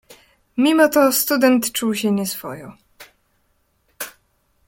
"Mimo to student czuł się nieswojo."